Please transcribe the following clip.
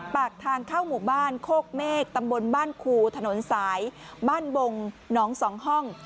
ปากทางเข้าหมู่บ้านโคกเมฆตำบลบ้านคูถนนสายบ้านบงหนองสองห้อง